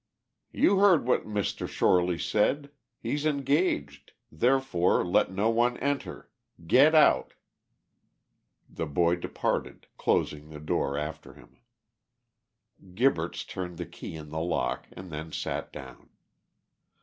"You heard what Mr. Shorely said. He's engaged. Therefore let no one enter. Get out." The boy departed, closing the door after him. Gibberts turned the key in the lock, and then sat down.